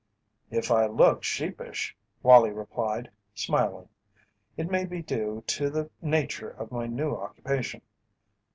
"If I look sheepish," Wallie replied, smiling, "it may be due to the nature of my new occupation.